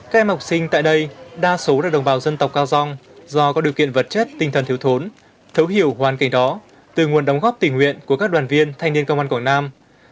các em học sinh tại đây đa số là đồng bào dân tộc cao dòng do có điều kiện vật chất tinh thần thiếu thốn thấu hiểu hoàn cảnh đó từ nguồn đóng góp tình nguyện của các đoàn viên thanh niên công an quảng nam